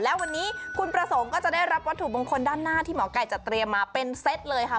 และวันนี้คุณประสงค์ก็จะได้รับวัตถุมงคลด้านหน้าที่หมอไก่จัดเตรียมมาเป็นเซตเลยค่ะ